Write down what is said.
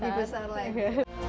lebih besar lagi